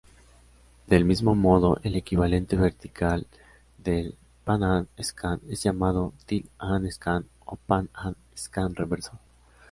Del mismo modo, el equivalente vertical del "pan-and-scan" es llamado "tilt-and-scan" o "pan-and-scan reverso".